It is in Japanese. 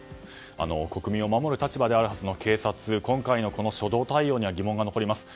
国民を守る立場であるはずの警察の今回の初動対応には疑問が残ります。